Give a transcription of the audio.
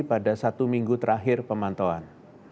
pada satu minggu terakhir pemantauan